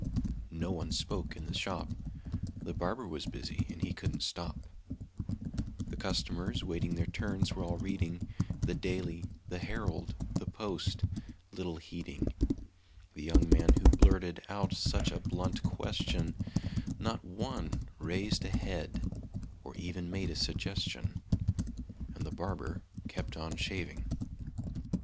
No one spoke in the shop: The barber was busy, and he couldn't stop; The customers, waiting their turns, were all reading The Daily, the Herald, the Post, little heeding The young man who blurted out such a blunt question; Not one raised a head or even made a suggestion; And the barber kept on shaving.